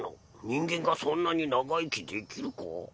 人間がそんなに長生きできるか？